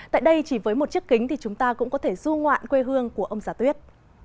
tại đây chỉ với một chiếc kính thì chúng ta cũng có thể du ngoạn quê hương của ông già tuyết